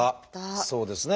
そうですね